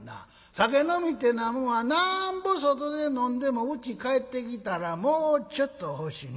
酒飲みってえのはもうなんぼ外で飲んでもうち帰ってきたらもうちょっと欲しい。